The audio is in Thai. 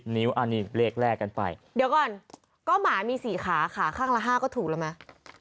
นิ้วอันนี้เลขแรกกันไปเดี๋ยวก่อนก็หมามี๔ขาขาข้างละ๕ก็ถูกแล้วไหม